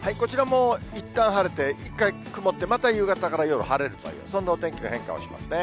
こちらもいったん晴れて、一回曇って、また夕方から夜晴れるという、そんなお天気の変化をしますね。